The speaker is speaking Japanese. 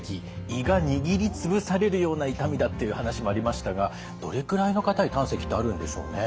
胃が握りつぶされるような痛みだという話もありましたがどれくらいの方に胆石ってあるんでしょうね？